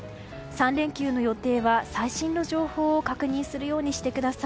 ３連休の予定は、最新の情報を確認するようにしてください。